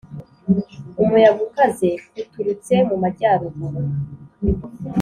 Umuyaga ukaze k uturutse mu majyaruguru